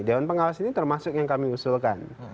dewan pengawas ini termasuk yang kami usulkan